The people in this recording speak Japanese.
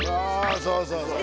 そうそうそう！